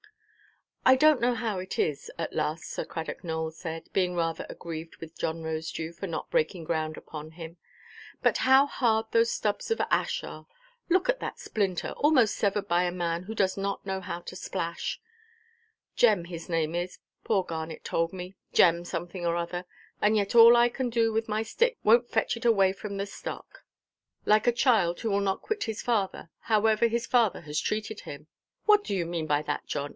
"I donʼt know how it is," at last Sir Cradock Nowell said, being rather aggrieved with John Rosedew for not breaking ground upon him—"but how hard those stubs of ash are! Look at that splinter, almost severed by a man who does not know how to splash; Jem, his name is, poor Garnet told me, Jem—something or other—and yet all I can do with my stick wonʼt fetch it away from the stock." "Like a child who will not quit his father, however his father has treated him." "What do you mean by that, John?